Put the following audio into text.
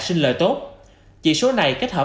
sinh lời tốt chỉ số này kết hợp